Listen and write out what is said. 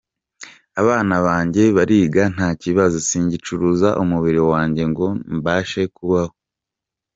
Abana banjye bariga nta kibazo, singicuruza umubiri wanjye ngo mbashe kubaho.